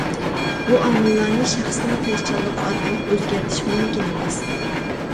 بۇ ئامىللارنى شەخسنىڭ تىرىشچانلىقى ئارقىلىق ئۆزگەرتىش مۇمكىن ئەمەس.